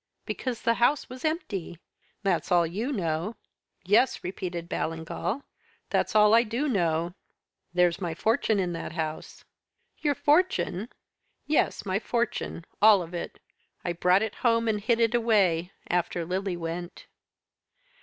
"'Because the house was empty!' "'That's all you know.' "'Yes,' repeated Ballingall, 'that's all I do know.' "'There's my fortune in that house!' "'Your fortune?' "'Yes my fortune; all of it. I brought it home, and hid it away after Lily went.'